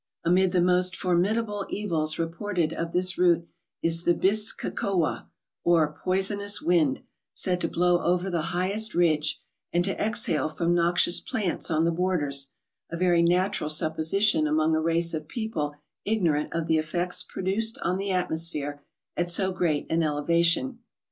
Amid the most formidable evils reported of this route is the bis ka kowa, or poisonous wind, said to blow over the highest ridge, and to exhale from noxious plants on the borders—a ver}^ natural sup¬ position among a race of people ignorant of the effects produced on the atmosphere at so great an elevation.